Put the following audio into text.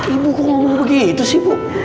ibu kok ngomong begitu sih bu